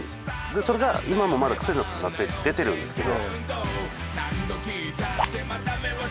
それが今もまだ癖がかかって出てるんですけど。